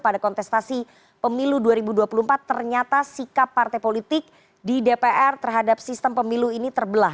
pada kontestasi pemilu dua ribu dua puluh empat ternyata sikap partai politik di dpr terhadap sistem pemilu ini terbelah